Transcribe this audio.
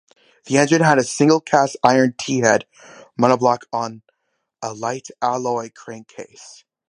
The engine had a single cast iron T-head monobloc on a light alloy crankcase.